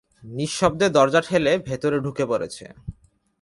নিঃশব্দে দরজা ঠেলে ভেতরে ঢুকে পড়েছে।